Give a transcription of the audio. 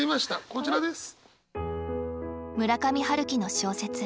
こちらです。